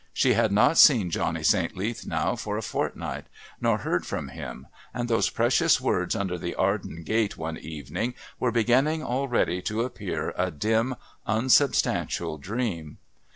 She had not seen Johnny St. Leath now for a fortnight, nor heard from him, and those precious words under the Arden Gate one evening were beginning already to appear a dim unsubstantial dream.